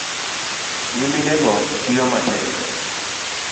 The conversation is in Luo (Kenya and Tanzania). Nyiminego tiyo matek